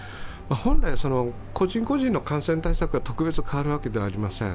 本来、個人個人の感染対策が特別変わるわけではありません。